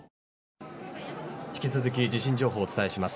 引き続き地震情報をお伝えします。